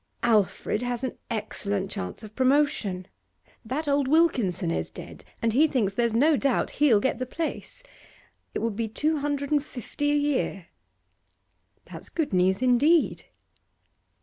'Alfred has an excellent chance of promotion. That old Wilkinson is dead, and he thinks there's no doubt he'll get the place. It would be two hundred and fifty a year.' 'That's good news, indeed.